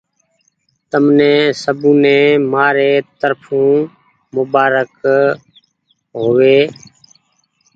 تمني سبوني مآري ترڦو مبآرڪ هووي۔